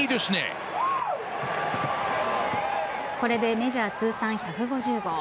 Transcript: これでメジャー通算１５０号。